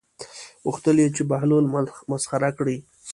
غوښتل یې چې بهلول مسخره کړي.